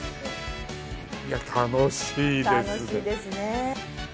楽しいですね。